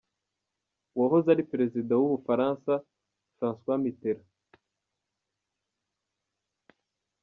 Uwahoze ari Perezida w’u Bufaransa, François Mitterand